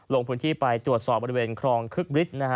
ลงพื้นที่ไปตรวจสอบบริเวณครองคึกฤทธิ์นะฮะ